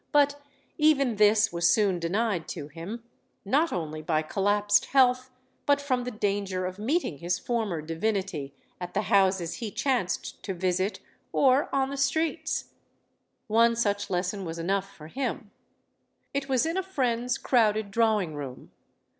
But even this was soon denied to him not only by collapsed health, but from the danger of meeting his former divinity at the houses he chanced to visit or on the streets. One such lesson was enough for him. It was in a friend's crowded drawing room.